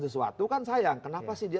sesuatu kan sayang kenapa sih dia